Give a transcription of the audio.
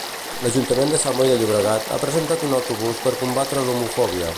L'Ajuntament de Sant Boi de Llobregat ha presentat un autobús per combatre l'homofòbia.